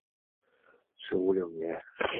赤乌六年去世。